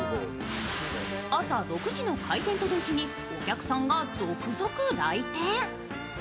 朝６時の開店と同時にお客さんが続々来店。